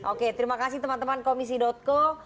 oke terima kasih teman teman komisi co